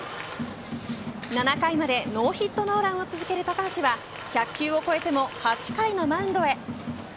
７回までノーヒットノーランを続ける高橋は１００球を超えても８回のマウンドへ。